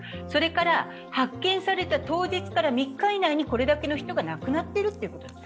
それから発見された当日から３日以内にこれだけの人が亡くなっているということ。